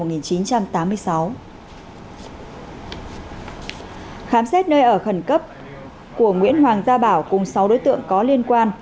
khám xét nơi ở khẩn cấp của nguyễn hoàng gia bảo cùng sáu đối tượng có liên quan